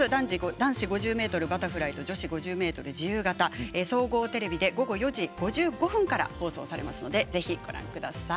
男子５０ｍバタフライと女子５０ｍ自由形総合テレビで午後４時５５分から放送されますのでぜひご覧ください。